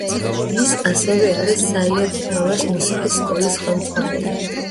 ის ასევე არის საიატ–ნოვას მუსიკის სკოლის ხელმძღვანელი.